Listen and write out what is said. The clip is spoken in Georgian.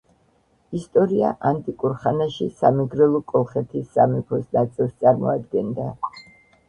ისტორია ანტიკურ ხანაში სამეგრელო კოლხეთის სამეფოს ნაწილს წარმოადგენდა.